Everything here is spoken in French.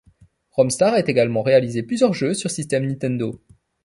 Romstar a également réalisé plusieurs jeux sur systèmes Nintendo.